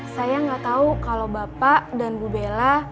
saya gak tau kalo bapak dan bu bella